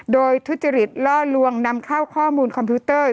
โดยทุจริตล่อลวงนำเข้าข้อมูลคอมพิวเตอร์